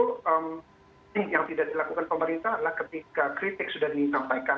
nah saya khawatir justru yang tidak dilakukan pemerintah adalah ketika kritik sudah disampaikan